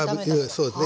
そうですね